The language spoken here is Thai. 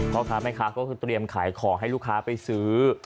พ่อค้าแม่ค้าก็คือเตรียมขายของให้ลูกค้าไปซื้อ